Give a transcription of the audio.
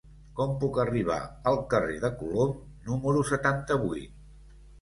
Com puc arribar al carrer de Colom número setanta-vuit?